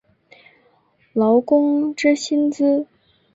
劳工之薪资